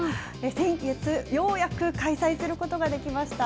先月ようやく開催することができました。